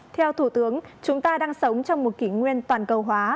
theo thủ tướng chúng ta đang sống trong một kỷ nguyên toàn cầu hóa